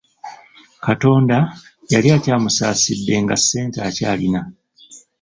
Katonda yali akyamusaasidde nga ssente akyalina.